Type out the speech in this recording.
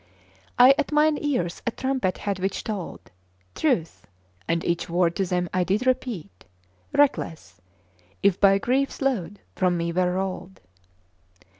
I at mine ears a trumpet had which told Truth; and each word to them I did repeat, Reckless, if but grief's load from me were rolled.